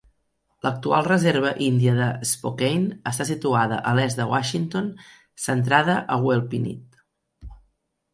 L'actual reserva índia de Spokane està situada a l'est de Washington, centrada a Wellpinit.